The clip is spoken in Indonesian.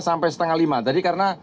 sampai setengah lima tadi karena